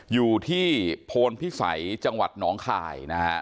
อยู่ที่โพนพิสัยจังหวัดหนองคายนะฮะ